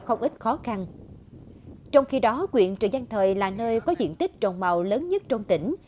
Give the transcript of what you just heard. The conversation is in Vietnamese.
không ít khó khăn trong khi đó quyện trần giang thời là nơi có diện tích trồng màu lớn nhất trong tỉnh